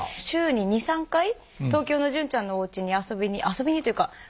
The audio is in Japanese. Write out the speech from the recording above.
週に２３回東京の隼ちゃんのおうちに遊びに遊びにっていうか